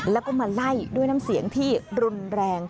แล้วก็มาไล่ด้วยน้ำเสียงที่รุนแรง